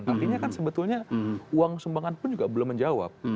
artinya kan sebetulnya uang sumbangan pun juga belum menjawab